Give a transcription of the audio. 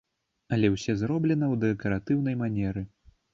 Але ўсе зроблена ў дэкаратыўнай манеры.